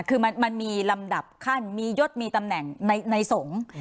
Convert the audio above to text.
คือมันมีลำดับขั้นมียศมีตำแหน่งในสงฆ์